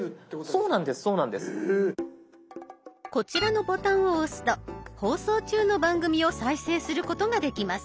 こちらのボタンを押すと放送中の番組を再生することができます。